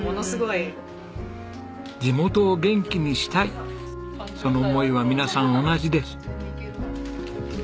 地元を元気にしたいその思いは皆さん同じです。